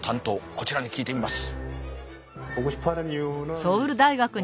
こちらに聞いてみます。